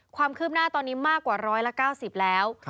ความคืบหน้าตอนนี้มากกว่า๑๙๐แล้ว